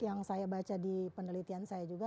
yang saya baca di penelitian saya juga